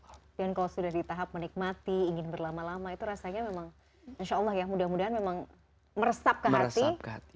dan kalau sudah di tahap menikmati ingin berlama lama itu rasanya memang insya allah ya mudah mudahan meresap ke hati